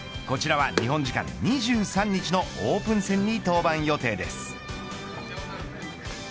こちらは日本時間２３日のオープン戦に登板予定です。